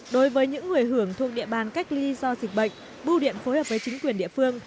đối với những người hưởng thuộc địa bàn cách ly do dịch bệnh bưu điện phối hợp với chính quyền địa phương